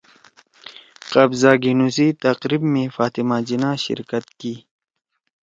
قبضہ گھیِنُو سی تقریب می فاطمہ جناح شرکت کی